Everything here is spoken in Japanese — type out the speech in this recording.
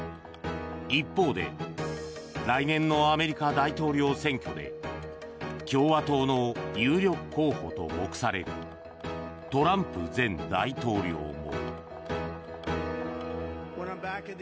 一方で来年のアメリカ大統領選挙で共和党の有力候補と目されるトランプ前大統領も。